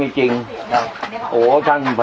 อาจารย์จะเอาไป